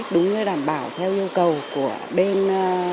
đúng như đảm bảo theo yêu cầu của bên